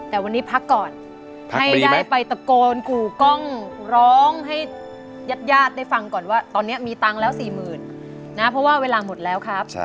แต่วันนี้พักก่อนให้ได้ไปตะโกนกูกล้องร้องให้ญาติญาติได้ฟังก่อนว่าตอนนี้มีตังค์แล้ว๔๐๐๐นะเพราะว่าเวลาหมดแล้วครับ